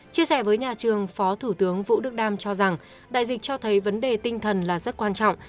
chia sẻ với nhà trường phó thủ tướng vũ đức đam cho rằng đại dịch cho thấy vấn đề tinh thần là rất quan trọng